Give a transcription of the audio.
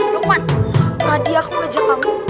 lukman tadi aku wajib kamu